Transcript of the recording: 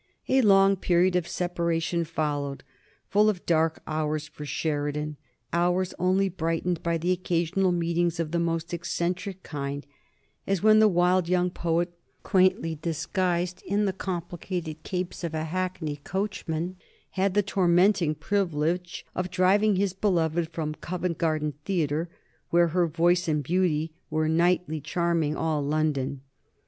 A long period of separation followed, full of dark hours for Sheridan, hours only brightened by occasional meetings of the most eccentric kind, as when the wild young poet, quaintly disguised in the complicated capes of a hackney coachman, had the tormenting privilege of driving his beloved from Covent Garden Theatre, where her voice and beauty were nightly charming all London.